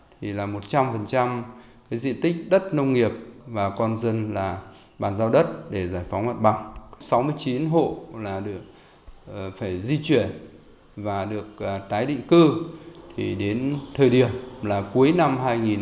thì đến thời điểm là cuối năm hai nghìn hai mươi ba